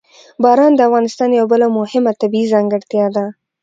باران د افغانستان یوه بله مهمه طبیعي ځانګړتیا ده.